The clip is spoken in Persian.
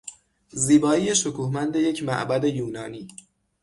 زیبایی شکوهمند یک معبد یونانی